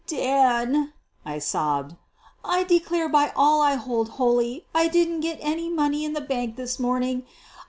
I "Dan," I sobbed, "I declare by all I hold holy I didn't get any money in the bank this morning.